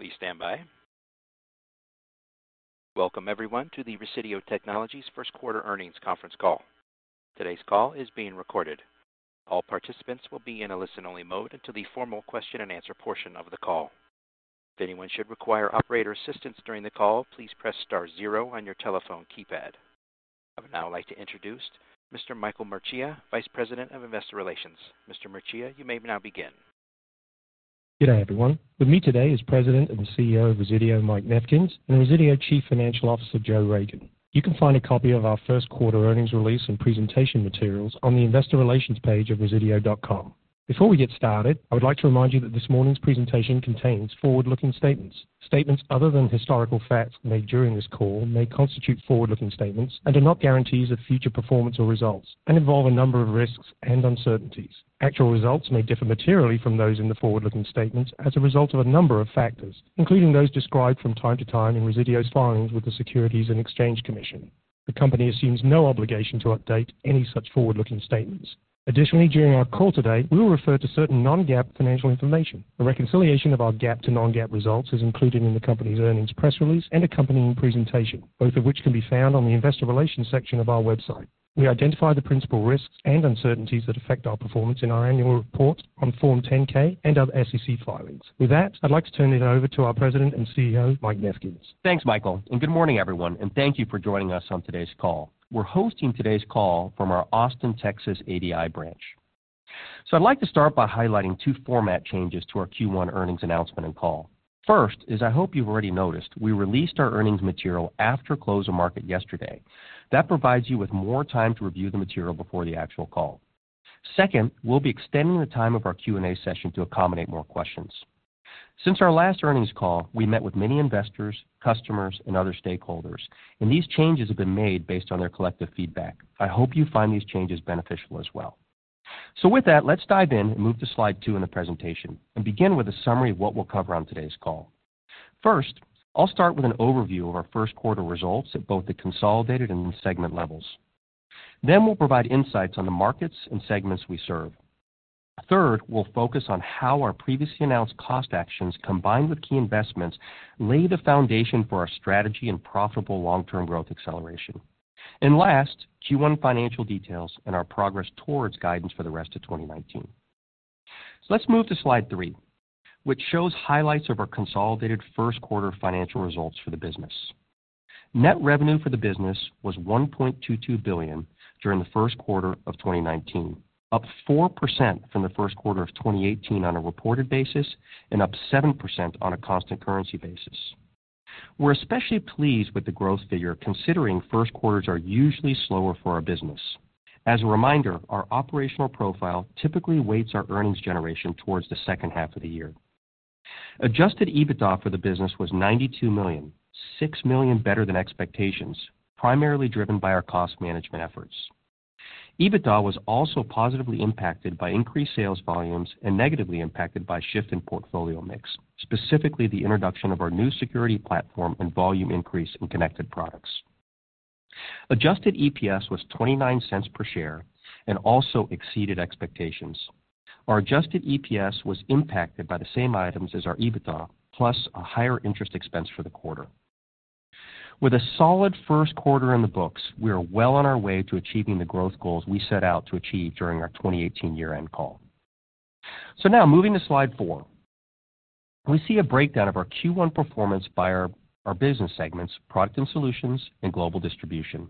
Please stand by. Welcome, everyone, to the Resideo Technologies first quarter earnings conference call. Today's call is being recorded. All participants will be in a listen-only mode until the formal question and answer portion of the call. If anyone should require operator assistance during the call, please press star zero on your telephone keypad. I would now like to introduce Mr. Michael Mercieca, Vice President of Investor Relations. Mr. Mercieca, you may now begin. Good day, everyone. With me today is President and CEO of Resideo, Mike Nefkens, and the Resideo Chief Financial Officer, Joseph Ragan. You can find a copy of our first quarter earnings release and presentation materials on the investor relations page of resideo.com. Before we get started, I would like to remind you that this morning's presentation contains forward-looking statements. Statements other than historical facts made during this call may constitute forward-looking statements and are not guarantees of future performance or results, and involve a number of risks and uncertainties. Actual results may differ materially from those in the forward-looking statements as a result of a number of factors, including those described from time to time in Resideo's filings with the Securities and Exchange Commission. The company assumes no obligation to update any such forward-looking statements. Additionally, during our call today, we will refer to certain non-GAAP financial information. A reconciliation of our GAAP to non-GAAP results is included in the company's earnings press release and accompanying presentation, both of which can be found on the investor relations section of our website. We identify the principal risks and uncertainties that affect our performance in our annual report on Form 10-K and other SEC filings. With that, I'd like to turn it over to our President and CEO, Mike Nefkens. Thanks, Michael, and good morning, everyone, and thank you for joining us on today's call. We're hosting today's call from our Austin, Texas ADI branch. I'd like to start by highlighting two format changes to our Q1 earnings announcement and call. First is, I hope you've already noticed, we released our earnings material after close of market yesterday. That provides you with more time to review the material before the actual call. Second, we'll be extending the time of our Q&A session to accommodate more questions. Since our last earnings call, we met with many investors, customers, and other stakeholders, and these changes have been made based on their collective feedback. I hope you find these changes beneficial as well. With that, let's dive in and move to slide two in the presentation and begin with a summary of what we'll cover on today's call. First, I'll start with an overview of our first quarter results at both the consolidated and segment levels. We'll provide insights on the markets and segments we serve. Third, we'll focus on how our previously announced cost actions, combined with key investments, lay the foundation for our strategy and profitable long-term growth acceleration. Last, Q1 financial details and our progress towards guidance for the rest of 2019. Let's move to slide three, which shows highlights of our consolidated first quarter financial results for the business. Net revenue for the business was $1.22 billion during the first quarter of 2019, up 4% from the first quarter of 2018 on a reported basis and up 7% on a constant currency basis. We're especially pleased with the growth figure, considering first quarters are usually slower for our business. As a reminder, our operational profile typically weights our earnings generation towards the second half of the year. Adjusted EBITDA for the business was $92 million, $6 million better than expectations, primarily driven by our cost management efforts. EBITDA was also positively impacted by increased sales volumes and negatively impacted by shift in portfolio mix, specifically the introduction of our new security platform and volume increase in connected products. Adjusted EPS was $0.29 per share and also exceeded expectations. Our adjusted EPS was impacted by the same items as our EBITDA, plus a higher interest expense for the quarter. With a solid first quarter in the books, we are well on our way to achieving the growth goals we set out to achieve during our 2018 year-end call. Now moving to slide four. We see a breakdown of our Q1 performance by our business segments, Products and Solutions, and Global Distribution.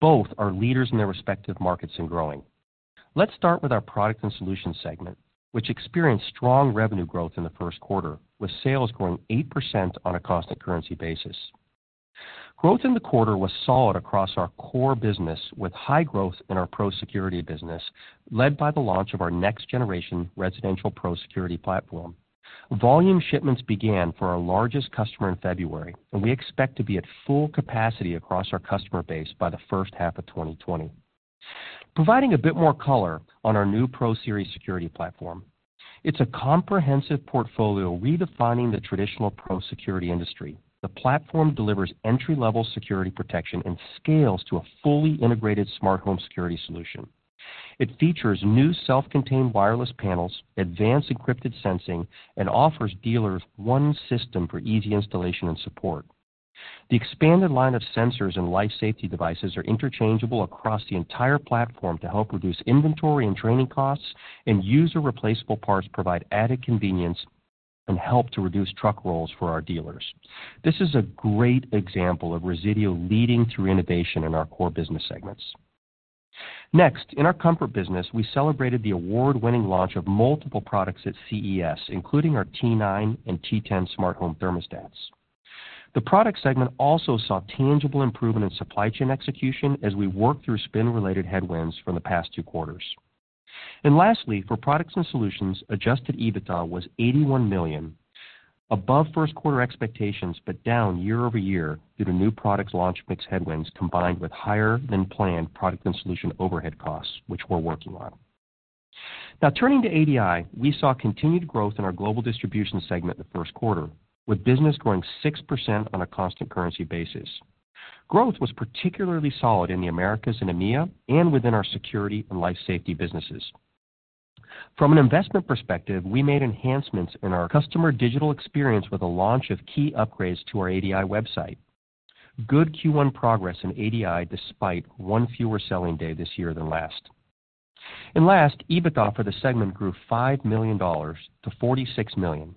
Both are leaders in their respective markets and growing. Let's start with our Products and Solutions segment, which experienced strong revenue growth in the first quarter, with sales growing 8% on a constant currency basis. Growth in the quarter was solid across our core business, with high growth in our pro security business, led by the launch of our next-generation residential pro security platform. Volume shipments began for our largest customer in February, and we expect to be at full capacity across our customer base by the first half of 2020. Providing a bit more color on our new ProSeries security platform, it's a comprehensive portfolio redefining the traditional pro security industry. The platform delivers entry-level security protection and scales to a fully integrated smart home security solution. It features new self-contained wireless panels, advanced encrypted sensing, and offers dealers one system for easy installation and support. The expanded line of sensors and life safety devices are interchangeable across the entire platform to help reduce inventory and training costs, and user replaceable parts provide added convenience and help to reduce truck rolls for our dealers. This is a great example of Resideo leading through innovation in our core business segments. Next, in our comfort business, we celebrated the award-winning launch of multiple products at CES, including our T9 and T10 smart home thermostats. The product segment also saw tangible improvement in supply chain execution as we worked through spin-related headwinds from the past two quarters. Lastly, for products and solutions, adjusted EBITDA was $81 million, above first quarter expectations, but down year-over-year due to new product launch mix headwinds combined with higher-than-planned product and solution overhead costs, which we're working on. Turning to ADI, we saw continued growth in our global distribution segment in the first quarter, with business growing 6% on a constant currency basis. Growth was particularly solid in the Americas and EMEA and within our security and life safety businesses. From an investment perspective, we made enhancements in our customer digital experience with the launch of key upgrades to our ADI website. Good Q1 progress in ADI despite one fewer selling day this year than last. Last, EBITDA for the segment grew $5 million to $46 million.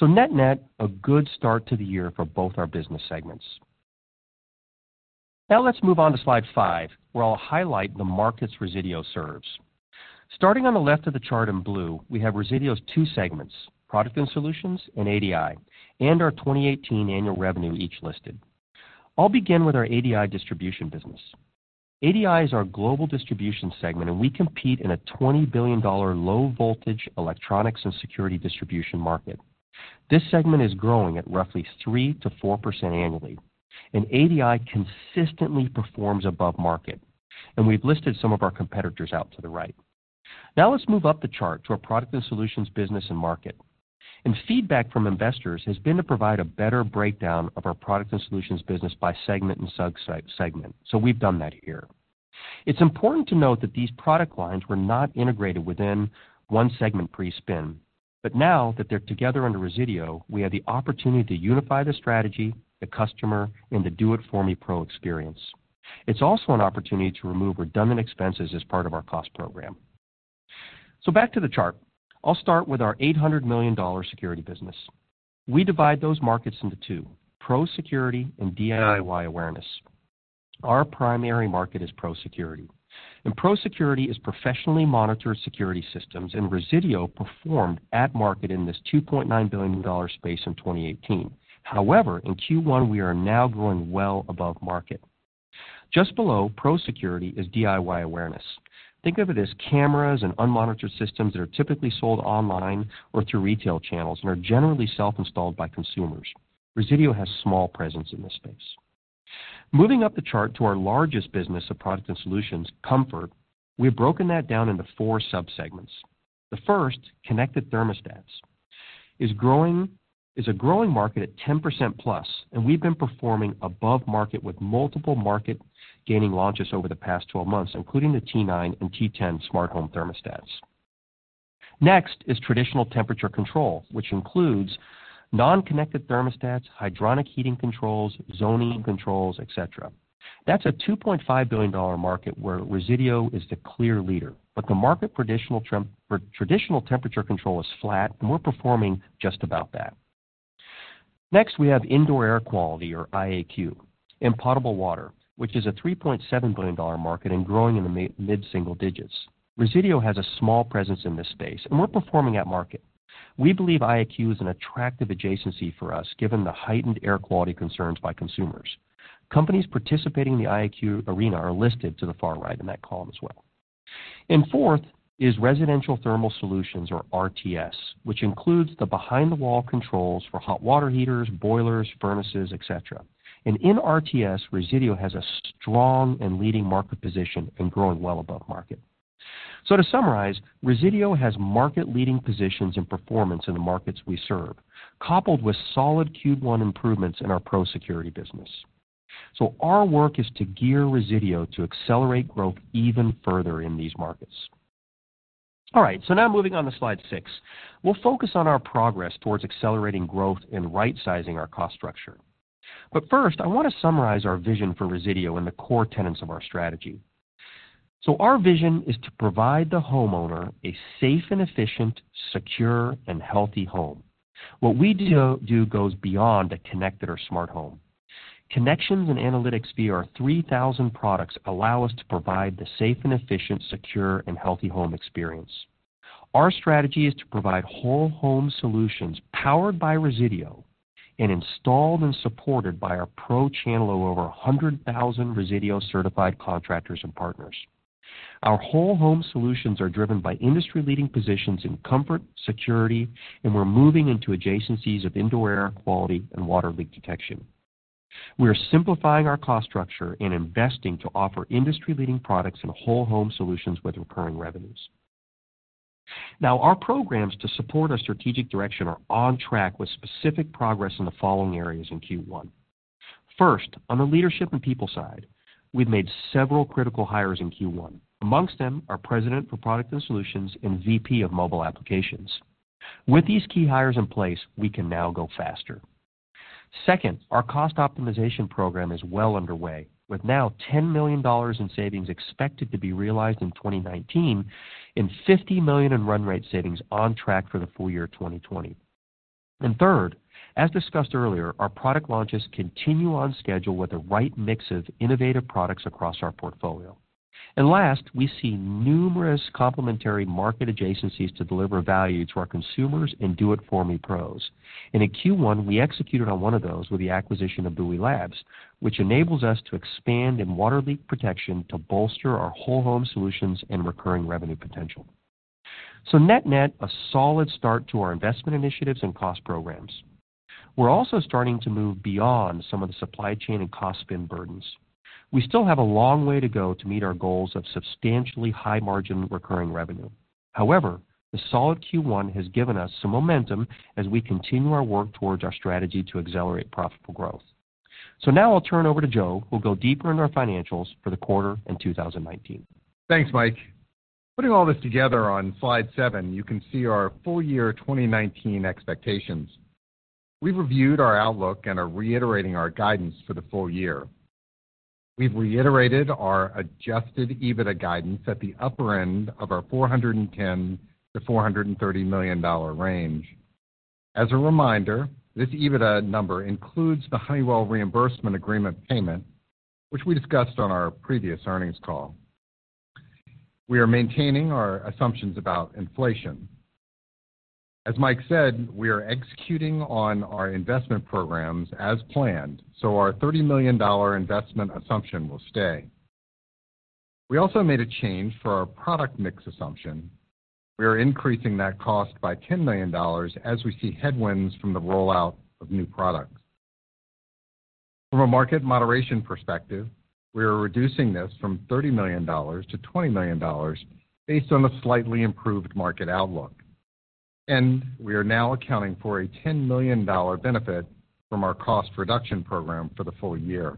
Net-net, a good start to the year for both our business segments. Let's move on to slide five, where I'll highlight the markets Resideo serves. Starting on the left of the chart in blue, we have Resideo's two segments, product and solutions and ADI, and our 2018 annual revenue each listed. I'll begin with our ADI distribution business. ADI is our global distribution segment, and we compete in a $20 billion low-voltage electronics and security distribution market. This segment is growing at roughly 3%-4% annually, and ADI consistently performs above market, and we've listed some of our competitors out to the right. Let's move up the chart to our product and solutions business and market. Feedback from investors has been to provide a better breakdown of our product and solutions business by segment, so we've done that here. It's important to note that these product lines were not integrated within one segment pre-spin. Now that they're together under Resideo, we have the opportunity to unify the strategy, the customer, and the do-it-for-me pro experience. It's also an opportunity to remove redundant expenses as part of our cost program. Back to the chart. I'll start with our $800 million security business. We divide those markets into two, pro security and DIY awareness. Our primary market is pro security, and pro security is professionally monitored security systems, and Resideo performed at market in this $2.9 billion space in 2018. However, in Q1, we are now growing well above market. Just below pro security is DIY awareness. Think of it as cameras and unmonitored systems that are typically sold online or through retail channels and are generally self-installed by consumers. Resideo has a small presence in this space. Moving up the chart to our largest business of product and solutions, comfort, we have broken that down into four subsegments. The first, connected thermostats, is a growing market at 10%+, and we've been performing above market with multiple market-gaining launches over the past 12 months, including the T9 and T10 smart home thermostats. Next is traditional temperature control, which includes non-connected thermostats, hydronic heating controls, zoning controls, et cetera. That's a $2.5 billion market where Resideo is the clear leader. The market for traditional temperature control is flat, and we're performing just about that. Next, we have indoor air quality, or IAQ, and potable water, which is a $3.7 billion market and growing in the mid-single digits. Resideo has a small presence in this space, and we're performing at market. We believe IAQ is an attractive adjacency for us given the heightened air quality concerns by consumers. Companies participating in the IAQ arena are listed to the far right in that column as well. Fourth is residential thermal solutions, or RTS, which includes the behind-the-wall controls for hot water heaters, boilers, furnaces, et cetera. In RTS, Resideo has a strong and leading market position and growing well above market. To summarize, Resideo has market-leading positions and performance in the markets we serve, coupled with solid Q1 improvements in our pro security business. Our work is to gear Resideo to accelerate growth even further in these markets. Moving on to slide 6. We'll focus on our progress towards accelerating growth and right-sizing our cost structure. First, I want to summarize our vision for Resideo and the core tenets of our strategy. Our vision is to provide the homeowner a safe and efficient, secure, and healthy home. What we do goes beyond a connected or smart home. Connections and analytics via our 3,000 products allow us to provide the safe and efficient, secure, and healthy home experience. Our strategy is to provide whole home solutions powered by Resideo and installed and supported by our pro channel of over 100,000 Resideo-certified contractors and partners. Our whole home solutions are driven by industry-leading positions in comfort, security, and we're moving into adjacencies of indoor air quality and water leak detection. We are simplifying our cost structure and investing to offer industry-leading products and whole home solutions with recurring revenues. Our programs to support our strategic direction are on track with specific progress in the following areas in Q1. First, on the leadership and people side, we've made several critical hires in Q1, amongst them our President for Product and Solutions and VP of Mobile Applications. With these key hires in place, we can now go faster. Second, our cost optimization program is well underway, with now $10 million in savings expected to be realized in 2019 and $50 million in run rate savings on track for the full year 2020. Third, as discussed earlier, our product launches continue on schedule with the right mix of innovative products across our portfolio. Last, we see numerous complementary market adjacencies to deliver value to our consumers and Do It For Me pros. In Q1, we executed on one of those with the acquisition of Buoy Labs, which enables us to expand in water leak protection to bolster our whole home solutions and recurring revenue potential. Net-net, a solid start to our investment initiatives and cost programs. We're also starting to move beyond some of the supply chain and cost spin burdens. We still have a long way to go to meet our goals of substantially high margin recurring revenue. However, the solid Q1 has given us some momentum as we continue our work towards our strategy to accelerate profitable growth. I'll turn over to Joe, who'll go deeper in our financials for the quarter in 2019. Thanks, Mike. Putting all this together on slide seven, you can see our full year 2019 expectations. We reviewed our outlook and are reiterating our guidance for the full year. We have reiterated our adjusted EBITDA guidance at the upper end of our $410 million to $430 million range. As a reminder, this EBITDA number includes the Honeywell reimbursement agreement payment, which we discussed on our previous earnings call. We are maintaining our assumptions about inflation. As Mike said, we are executing on our investment programs as planned, so our $30 million investment assumption will stay. We also made a change for our product mix assumption. We are increasing that cost by $10 million as we see headwinds from the rollout of new products. From a market moderation perspective, we are reducing this from $30 million to $20 million based on a slightly improved market outlook. We are now accounting for a $10 million benefit from our cost reduction program for the full year.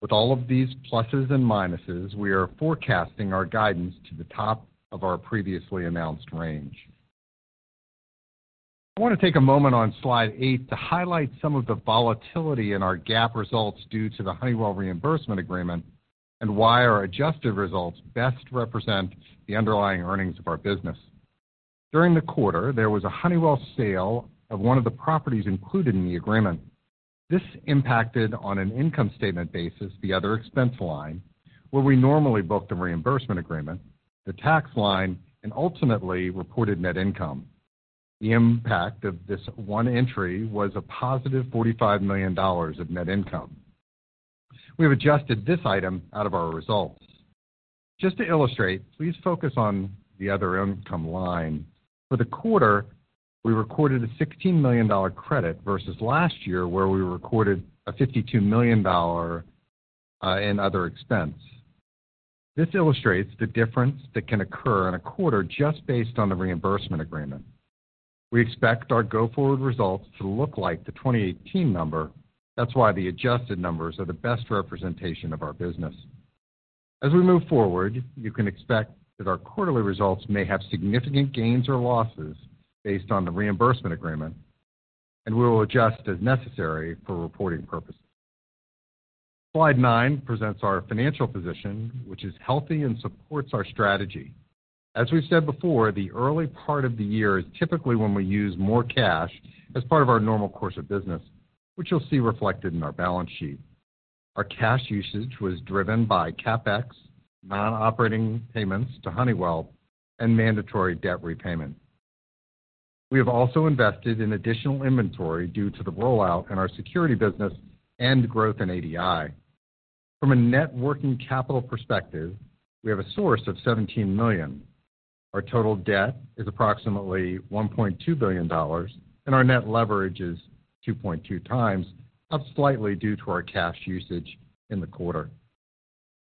With all of these pluses and minuses, we are forecasting our guidance to the top of our previously announced range. I want to take a moment on slide eight to highlight some of the volatility in our GAAP results due to the Honeywell reimbursement agreement and why our adjusted results best represent the underlying earnings of our business. During the quarter, there was a Honeywell sale of one of the properties included in the agreement. This impacted on an income statement basis, the other expense line, where we normally book the reimbursement agreement, the tax line, and ultimately reported net income. The impact of this one entry was a positive $45 million of net income. We have adjusted this item out of our results. Just to illustrate, please focus on the other income line. For the quarter, we recorded a $16 million credit versus last year where we recorded $52 million in other expense. This illustrates the difference that can occur in a quarter just based on the reimbursement agreement. We expect our go-forward results to look like the 2018 number. That is why the adjusted numbers are the best representation of our business. As we move forward, you can expect that our quarterly results may have significant gains or losses based on the reimbursement agreement, and we will adjust as necessary for reporting purposes. Slide nine presents our financial position, which is healthy and supports our strategy. As we have said before, the early part of the year is typically when we use more cash as part of our normal course of business, which you will see reflected in our balance sheet. Our cash usage was driven by CapEx, non-operating payments to Honeywell, and mandatory debt repayment. We have also invested in additional inventory due to the rollout in our security business and growth in ADI. From a net working capital perspective, we have a source of $17 million. Our total debt is approximately $1.2 billion, and our net leverage is 2.2 times, up slightly due to our cash usage in the quarter.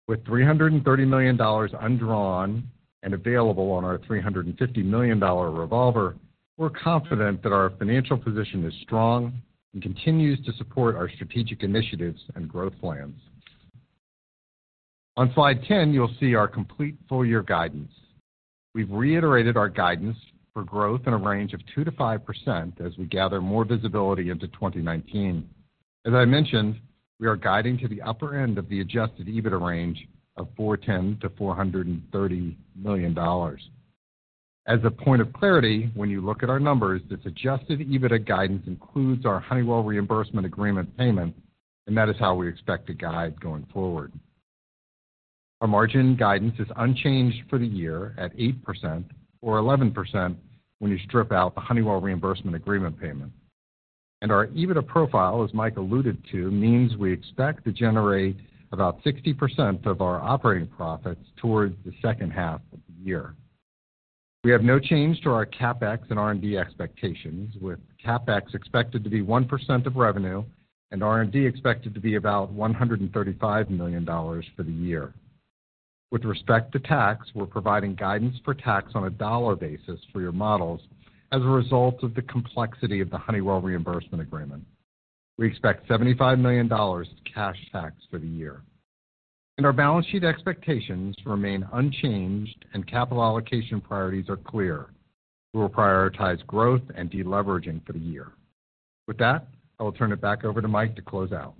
With $330 million undrawn and available on our $350 million revolver, we are confident that our financial position is strong and continues to support our strategic initiatives and growth plans. On slide 10, you will see our complete full year guidance. We have reiterated our guidance for growth in a range of 2%-5% as we gather more visibility into 2019. As I mentioned, we are guiding to the upper end of the adjusted EBITDA range of $410 million to $430 million. As a point of clarity, when you look at our numbers, this adjusted EBITDA guidance includes our Honeywell reimbursement agreement payment, and that is how we expect to guide going forward. Our margin guidance is unchanged for the year at 8%, or 11% when you strip out the Honeywell reimbursement agreement payment. Our EBITDA profile, as Mike alluded to, means we expect to generate about 60% of our operating profits towards the second half of the year. We have no change to our CapEx and R&D expectations, with CapEx expected to be 1% of revenue and R&D expected to be about $135 million for the year. With respect to tax, we're providing guidance for tax on a dollar basis for your models as a result of the complexity of the Honeywell reimbursement agreement. We expect $75 million cash tax for the year. Our balance sheet expectations remain unchanged and capital allocation priorities are clear. We will prioritize growth and deleveraging for the year. With that, I will turn it back over to Mike to close out.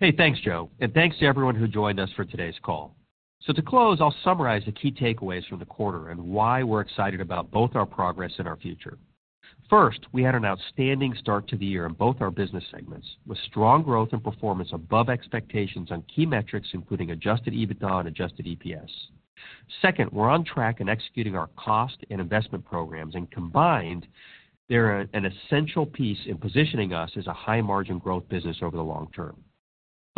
Hey, thanks, Joe, and thanks to everyone who joined us for today's call. To close, I'll summarize the key takeaways from the quarter and why we're excited about both our progress and our future. First, we had an outstanding start to the year in both our business segments, with strong growth and performance above expectations on key metrics, including adjusted EBITDA and adjusted EPS. Second, we're on track in executing our cost and investment programs, and combined, they're an essential piece in positioning us as a high-margin growth business over the long term.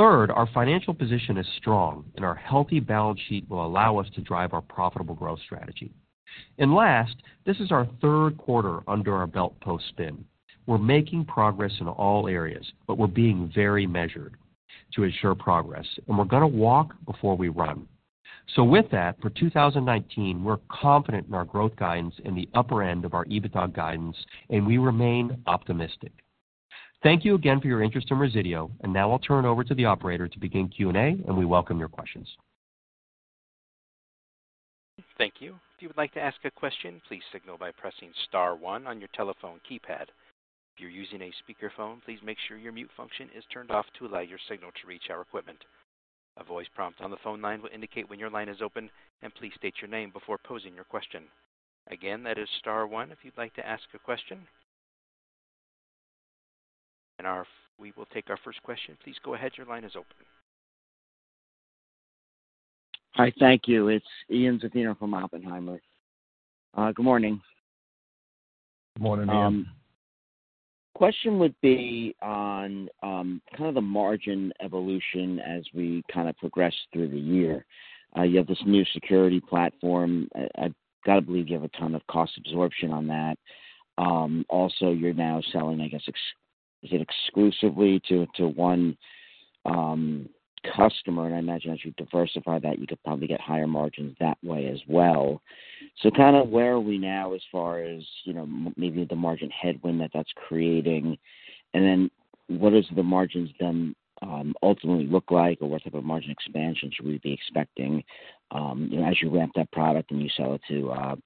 Third, our financial position is strong, and our healthy balance sheet will allow us to drive our profitable growth strategy. Last, this is our third quarter under our belt post-spin. We're making progress in all areas, but we're being very measured to ensure progress, and we're going to walk before we run. With that, for 2019, we're confident in our growth guidance in the upper end of our EBITDA guidance. We remain optimistic. Thank you again for your interest in Resideo. Now I'll turn it over to the operator to begin Q&A. We welcome your questions. Thank you. If you would like to ask a question, please signal by pressing star 1 on your telephone keypad. If you're using a speakerphone, please make sure your mute function is turned off to allow your signal to reach our equipment. A voice prompt on the phone line will indicate when your line is open, please state your name before posing your question. Again, that is star 1 if you'd like to ask a question. We will take our first question. Please go ahead. Your line is open. Hi, thank you. It's Ian Zaffino from Oppenheimer. Good morning. Good morning, Ian. Question would be on kind of the margin evolution as we kind of progress through the year. You have this new security platform. I've got to believe you have a ton of cost absorption on that. Also, you're now selling, I guess, is it exclusively to 1 customer? I imagine as you diversify that, you could probably get higher margins that way as well. Where are we now as far as maybe the margin headwind that that's creating? What does the margins then ultimately look like or what type of margin expansion should we be expecting as you ramp that product and you sell it to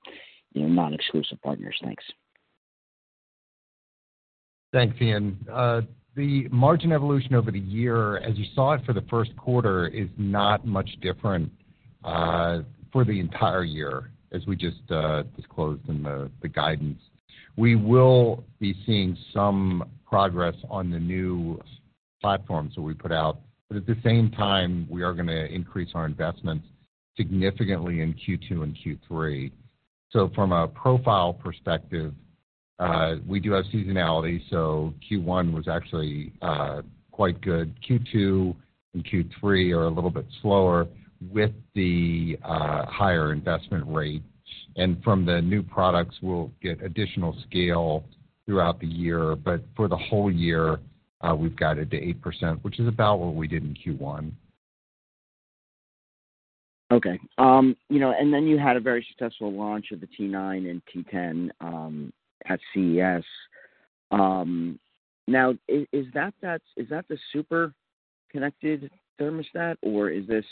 your non-exclusive partners? Thanks. Thanks, Ian. The margin evolution over the year, as you saw it for the first quarter, is not much different for the entire year, as we just disclosed in the guidance. We will be seeing some progress on the new platforms that we put out. At the same time, we are going to increase our investments significantly in Q2 and Q3. From a profile perspective, we do have seasonality, so Q1 was actually quite good. Q2 and Q3 are a little bit slower with the higher investment rate. From the new products, we'll get additional scale throughout the year. For the whole year, we've guided to 8%, which is about what we did in Q1. Okay. You had a very successful launch of the T9 and T10 at CES. Is that the super connected thermostat, or is this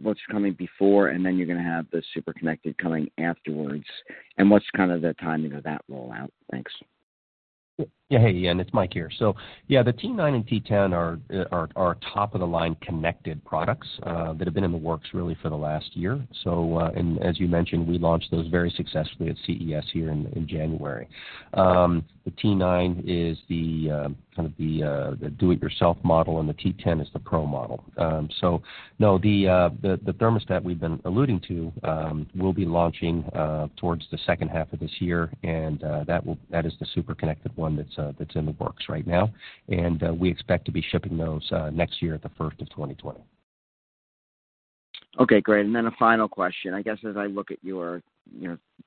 what's coming before, and then you're going to have the super connected coming afterwards? What's kind of the timing of that rollout? Thanks. Yeah. Hey, Ian, it's Mike Nefkens here. The T9 and T10 are our top-of-the-line connected products that have been in the works really for the last year. As you mentioned, we launched those very successfully at CES here in January. The T9 is the kind of the DIY model, and the T10 is the pro model. The thermostat we've been alluding to will be launching towards the second half of this year, and that is the super connected one that's in the works right now, and we expect to be shipping those next year at the first of 2020. Okay, great. A final question. I guess, as I look at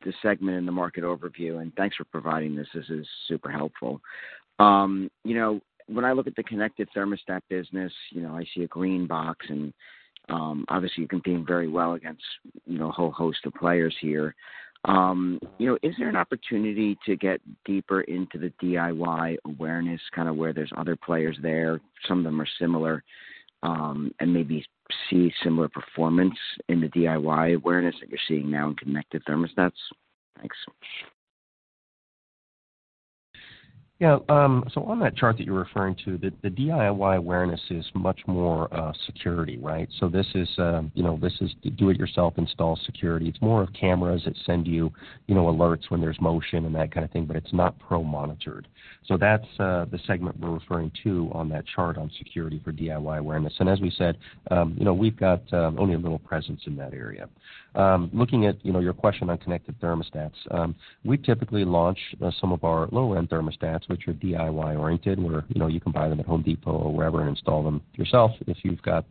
the segment and the market overview, and thanks for providing this. This is super helpful. When I look at the connected thermostat business, I see a green box, and obviously you're competing very well against a whole host of players here. Is there an opportunity to get deeper into the DIY awareness, kind of where there's other players there, some of them are similar, and maybe see similar performance in the DIY awareness that you're seeing now in connected thermostats? Thanks. Yeah. On that chart that you're referring to, the DIY awareness is much more security, right? This is do it yourself install security. It's more of cameras that send you alerts when there's motion and that kind of thing, but it's not pro-monitored. That's the segment we're referring to on that chart on security for DIY awareness. As we said, we've got only a little presence in that area. Looking at your question on connected thermostats, we typically launch some of our lower-end thermostats, which are DIY oriented, where you can buy them at The Home Depot or wherever and install them yourself if you've got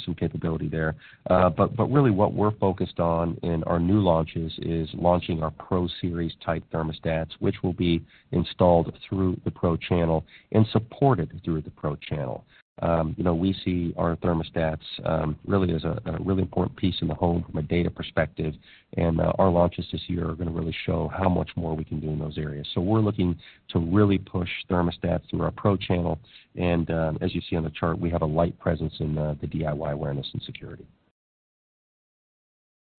some capability there. But really what we're focused on in our new launches is launching our ProSeries type thermostats, which will be installed through the pro channel and supported through the pro channel. We see our thermostats really as a really important piece in the home from a data perspective, our launches this year are going to really show how much more we can do in those areas. We're looking to really push thermostats through our pro channel, and as you see on the chart, we have a light presence in the DIY awareness and security.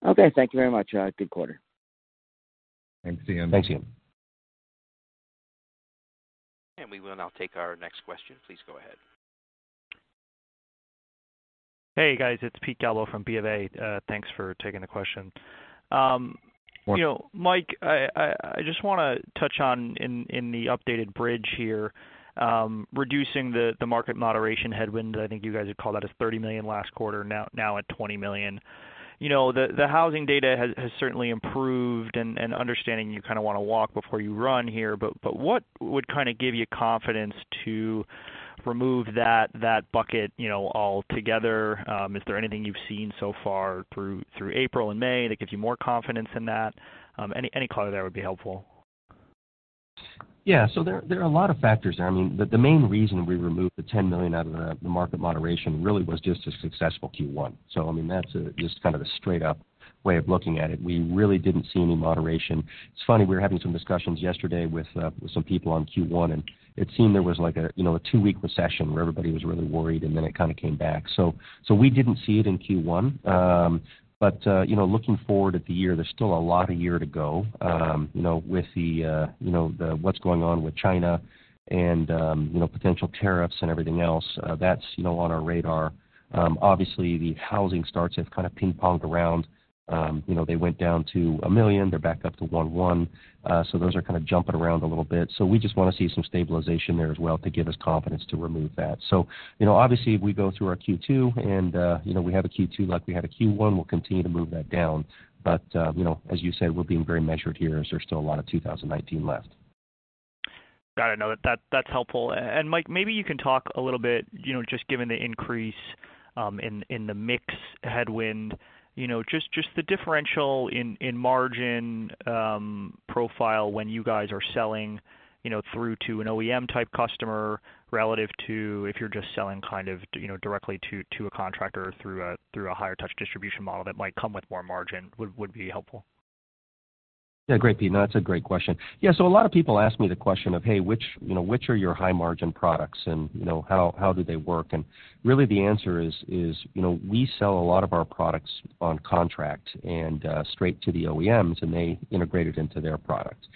Okay, thank you very much. Good quarter. Thanks, Ian. Thanks, Ian. We will now take our next question. Please go ahead. Hey, guys. It's Pete Galo from Bank of America. Thanks for taking the question. Of course. Mike, I just want to touch on in the updated bridge here, reducing the market moderation headwind that I think you guys had called out as $30 million last quarter, now at $20 million. The housing data has certainly improved and understanding you kind of want to walk before you run here, but what would kind of give you confidence to remove that bucket altogether? Is there anything you've seen so far through April and May that gives you more confidence in that? Any clarity there would be helpful. There are a lot of factors there. The main reason we removed the $10 million out of the market moderation really was just a successful Q1. That's just kind of a straight-up way of looking at it. We really didn't see any moderation. It's funny, we were having some discussions yesterday with some people on Q1, and it seemed there was like a two-week recession where everybody was really worried, and then it kind of came back. We didn't see it in Q1. Looking forward at the year, there's still a lot of year to go. With what's going on with China and potential tariffs and everything else, that's on our radar. Obviously, the housing starts have kind of ping-ponged around. They went down to 1 million, they're back up to 1.1 million. Those are kind of jumping around a little bit. We just want to see some stabilization there as well to give us confidence to remove that. Obviously, if we go through our Q2 and we have a Q2 like we had a Q1, we'll continue to move that down. As you say, we're being very measured here as there's still a lot of 2019 left. Got it. No, that's helpful. Mike, maybe you can talk a little bit, just given the increase in the mix headwind, just the differential in margin profile when you guys are selling through to an OEM type customer relative to if you're just selling kind of directly to a contractor through a higher touch distribution model that might come with more margin would be helpful. Great, Pete, that's a great question. A lot of people ask me the question of, hey, which are your high margin products, and how do they work? Really the answer is, we sell a lot of our products on contract and straight to the OEMs, and they integrate it into their product.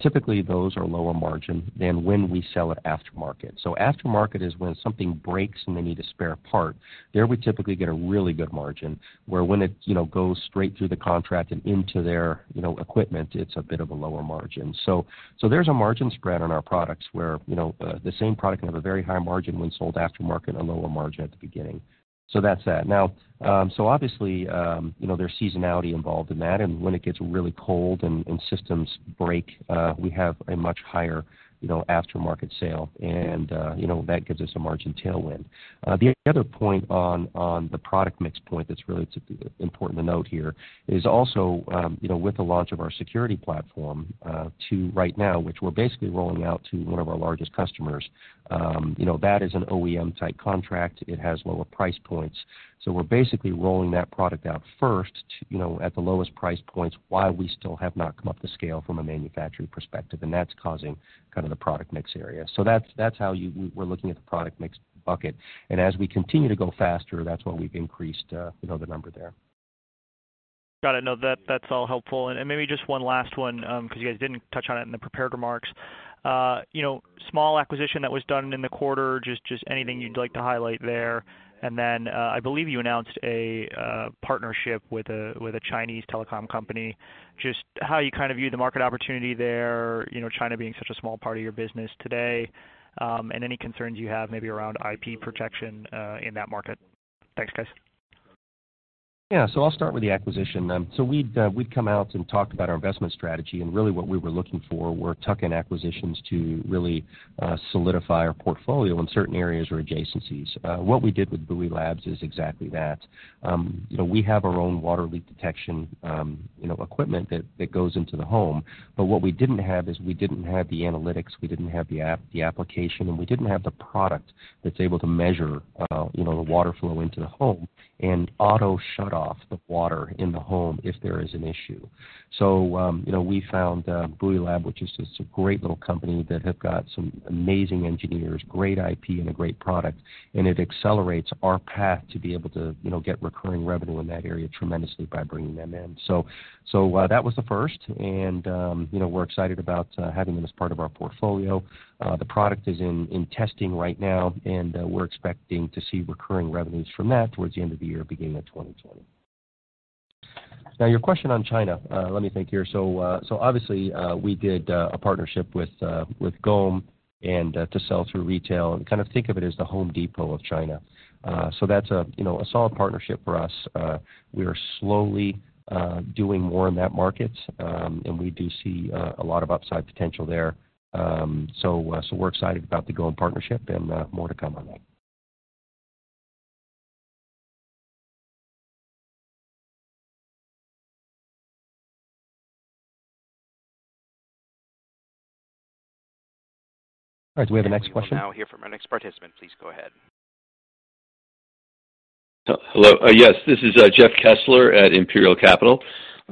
Typically, those are lower margin than when we sell at aftermarket. Aftermarket is when something breaks and they need a spare part. There we typically get a really good margin, where when it goes straight through the contract and into their equipment, it's a bit of a lower margin. There's a margin spread on our products where the same product can have a very high margin when sold aftermarket, a lower margin at the beginning. That's that. Obviously, there's seasonality involved in that, and when it gets really cold and systems break, we have a much higher aftermarket sale, and that gives us a margin tailwind. The other point on the product mix point that's really important to note here is also with the launch of our security platform right now, which we're basically rolling out to one of our largest customers. That is an OEM type contract. It has lower price points. We're basically rolling that product out first at the lowest price points while we still have not come up to scale from a manufacturing perspective, and that's causing kind of the product mix area. That's how we're looking at the product mix bucket. As we continue to go faster, that's why we've increased the number there. Got it. That's all helpful. Maybe just one last one, because you guys didn't touch on it in the prepared remarks. Small acquisition that was done in the quarter, just anything you'd like to highlight there. Then, I believe you announced a partnership with a Chinese telecom company. Just how you kind of view the market opportunity there, China being such a small part of your business today, and any concerns you have maybe around IP protection in that market. Thanks, guys. I'll start with the acquisition then. We'd come out and talked about our investment strategy, and really what we were looking for were tuck-in acquisitions to really solidify our portfolio in certain areas or adjacencies. What we did with Buoy Labs is exactly that. We have our own water leak detection equipment that goes into the home. What we didn't have is we didn't have the analytics, we didn't have the application, and we didn't have the product that's able to measure the water flow into the home and auto shut off the water in the home if there is an issue. We found Buoy Labs, which is just a great little company that have got some amazing engineers, great IP, and a great product, and it accelerates our path to be able to get recurring revenue in that area tremendously by bringing them in. That was the first, and we're excited about having them as part of our portfolio. The product is in testing right now, and we're expecting to see recurring revenues from that towards the end of the year, beginning of 2020. Your question on China, let me think here. Obviously, we did a partnership with Gome to sell through retail and kind of think of it as The Home Depot of China. That's a solid partnership for us. We are slowly doing more in that market, and we do see a lot of upside potential there. We're excited about the Gome partnership and more to come on that. All right. Do we have a next question? We will now hear from our next participant. Please go ahead. Hello. Yes, this is Jeff Kessler at Imperial Capital.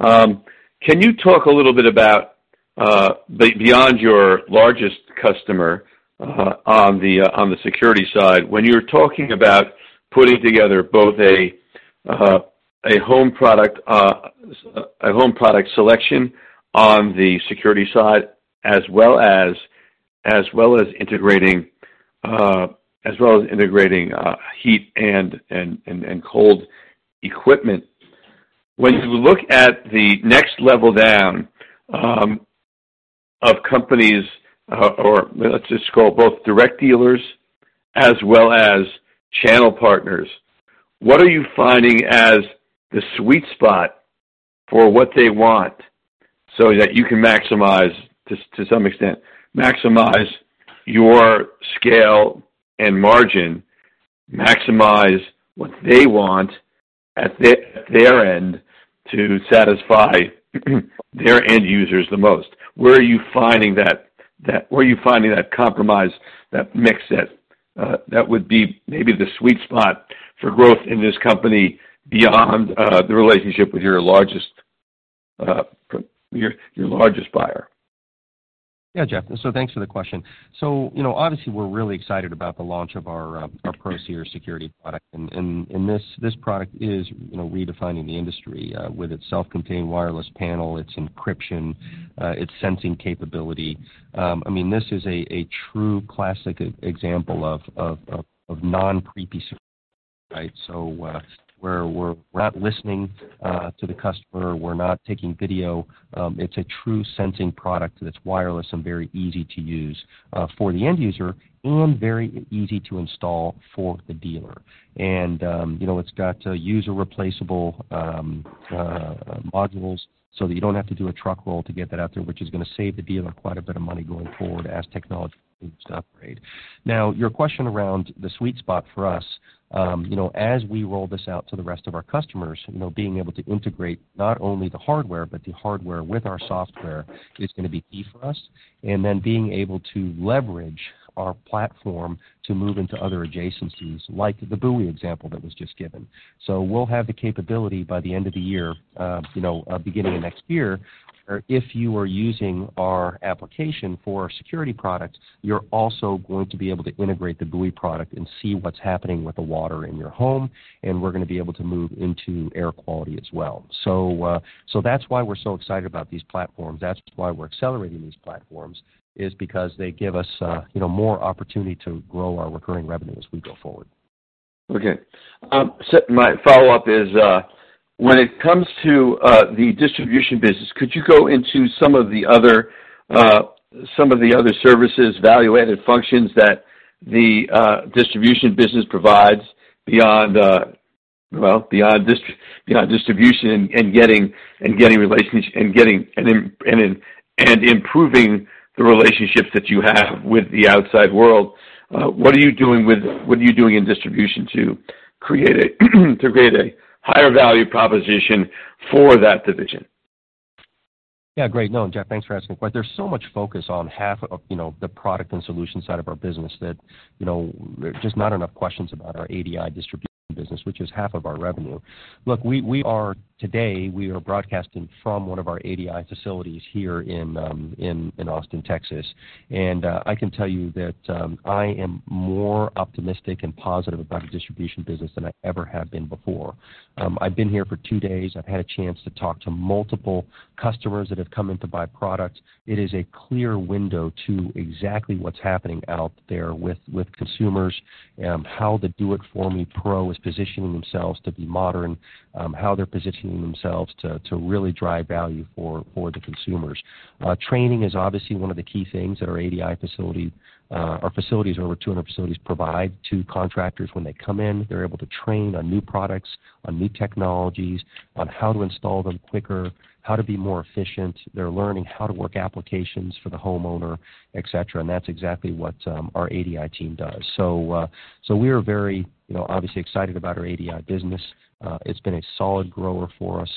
Can you talk a little bit about beyond your largest customer on the security side, when you're talking about putting together both a home product selection on the security side, as well as integrating heat and cold equipment. When you look at the next level down of companies, or let's just call both direct dealers as well as channel partners, what are you finding as the sweet spot for what they want, so that you can maximize, to some extent, maximize your scale and margin, maximize what they want at their end to satisfy their end users the most. Where are you finding that compromise, that mix, that would be maybe the sweet spot for growth in this company beyond the relationship with your largest buyer? Yeah, Jeff. Thanks for the question. Obviously we're really excited about the launch of our ProSeries Security product. This product is redefining the industry, with its self-contained wireless panel, its encryption, its sensing capability. This is a true classic example of non-creepy security, right? We're not listening to the customer. We're not taking video. It's a true sensing product that's wireless and very easy to use for the end user and very easy to install for the dealer. It's got user-replaceable modules so that you don't have to do a truck roll to get that out there, which is going to save the dealer quite a bit of money going forward as technology continues to upgrade. Your question around the sweet spot for us. As we roll this out to the rest of our customers, being able to integrate not only the hardware, but the hardware with our software is going to be key for us. Being able to leverage our platform to move into other adjacencies, like the Buoy example that was just given. We'll have the capability by the end of the year, beginning of next year, or if you are using our application for our security products, you're also going to be able to integrate the Buoy product and see what's happening with the water in your home, and we're going to be able to move into air quality as well. That's why we're so excited about these platforms. That's why we're accelerating these platforms, is because they give us more opportunity to grow our recurring revenue as we go forward. Okay. My follow-up is, when it comes to the distribution business, could you go into some of the other services, value-added functions that the distribution business provides beyond distribution and getting relationship, and improving the relationships that you have with the outside world? What are you doing in distribution to create a higher value proposition for that division? Yeah, great. No, Jeff, thanks for asking the question. There's so much focus on half of the product and solutions side of our business that there are just not enough questions about our ADI distribution business, which is half of our revenue. Look, today, we are broadcasting from one of our ADI facilities here in Austin, Texas. I can tell you that I am more optimistic and positive about the distribution business than I ever have been before. I've been here for two days. I've had a chance to talk to multiple customers that have come in to buy products. It is a clear window to exactly what's happening out there with consumers, how the Do It For Me Pro is positioning themselves to be modern, how they're positioning themselves to really drive value for the consumers. Training is obviously one of the key things that our ADI facility, our facilities, over 200 facilities provide to contractors when they come in. They're able to train on new products, on new technologies, on how to install them quicker, how to be more efficient. They're learning how to work applications for the homeowner, et cetera, that's exactly what our ADI team does. We are very obviously excited about our ADI business. It's been a solid grower for us,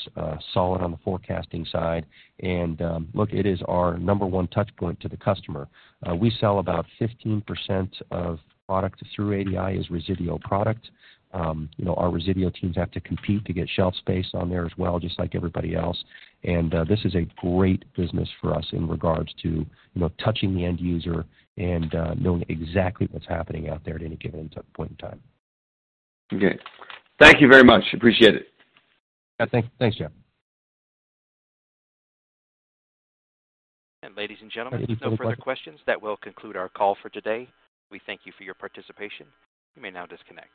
solid on the forecasting side, and look, it is our number one touch point to the customer. We sell about 15% of product through ADI as Resideo product. Our Resideo teams have to compete to get shelf space on there as well, just like everybody else. This is a great business for us in regards to touching the end user and knowing exactly what's happening out there at any given point in time. Okay. Thank you very much. Appreciate it. Yeah, thanks, Jeff. Ladies and gentlemen, if there's no further questions, that will conclude our call for today. We thank you for your participation. You may now disconnect.